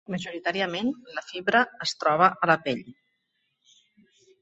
Majoritàriament, la fibra es troba a la pell.